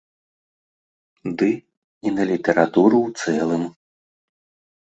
Ды і на літаратуру ў цэлым.